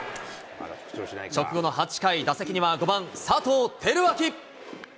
直後の８回、打席には５番佐藤輝明。